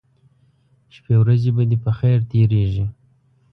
شپې ورځې به دې په خیر تیریږي